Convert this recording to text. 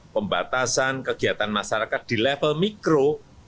pembatasan kegiatan masyarakat di level mikro